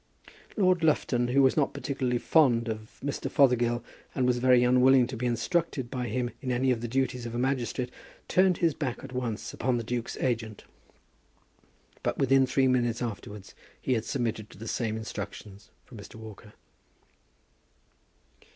Lord Lufton, who was not particularly fond of Mr. Fothergill, and was very unwilling to be instructed by him in any of the duties of a magistrate, turned his back at once upon the duke's agent; but within three minutes afterwards he had submitted to the same instructions from Mr. Walker.